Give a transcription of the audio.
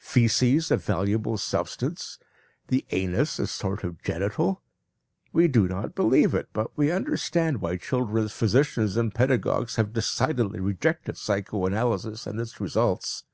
Faeces a valuable substance! The anus a sort of genital! We do not believe it, but we understand why children's physicians and pedagogues have decidedly rejected psychoanalysis and its results."